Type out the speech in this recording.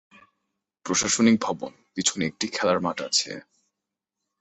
প্রশাসনিক ভবন পিছনে একটি খেলার মাঠ আছে।